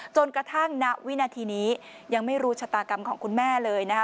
กระทั่งณวินาทีนี้ยังไม่รู้ชะตากรรมของคุณแม่เลยนะคะ